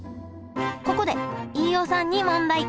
ここで飯尾さんに問題！